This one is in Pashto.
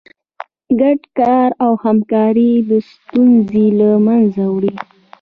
ګډ کار او همکاري ستونزې له منځه وړي.